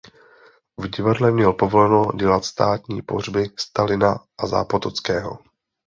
V divadle měl povoleno dělat státní pohřby Stalina a Zápotockého.